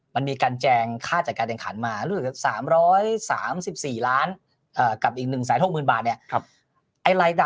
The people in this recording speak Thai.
มันมีการแจงค่าจัดการแดงขันมารูปสัตว์๓๓๔ล้านกับอีก๑๖๐๐๐๐๐บาท